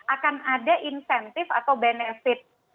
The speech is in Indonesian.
akan ada insentif atau benefit